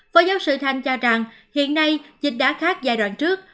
phó giáo sư thanh cho rằng hiện nay dịch đã khác giai đoạn trước